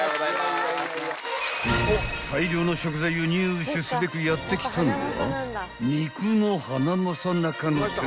［大量の食材を入手すべくやって来たのは］